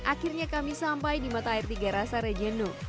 akhirnya kami sampai di mata air tiga rasa rejenu